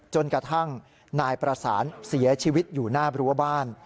จนกระทั่งนายประสานเสียชีวิตอยู่หน้ารั้วบ้าน